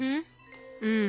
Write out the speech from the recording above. うん。